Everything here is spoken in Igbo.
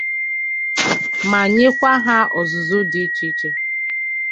ma nyekwa ha ọzụzụ n'ụdị dị iche iche.